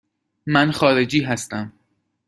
من خارجی هستم.